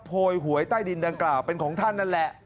โพยหวยใต้ดินดังกล่าวเป็นของท่านนั่นแหละ